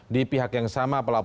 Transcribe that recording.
di pihak yang sama